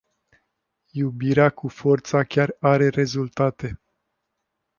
Iubirea cu forța chiar are rezultate.